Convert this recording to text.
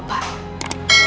sebenarnya gak gitu kok pak